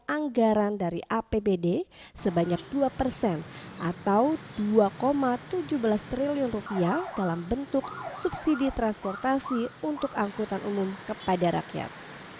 anggaran yang disediakan untuk bantuan subsidi bbm